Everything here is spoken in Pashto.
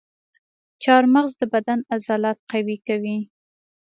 چارمغز د بدن عضلات قوي کوي.